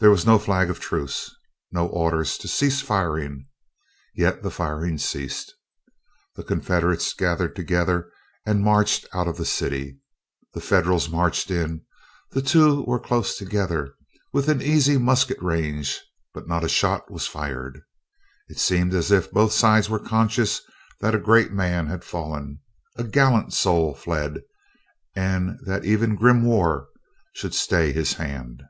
There was no flag of truce, no orders to cease firing, yet the firing ceased. The Confederates gathered together, and marched out of the city; the Federals marched in; the two were close together, within easy musket range, but not a shot was fired. It seemed as if both sides were conscious that a great man had fallen, a gallant soul fled, and that even grim war should stay his hand."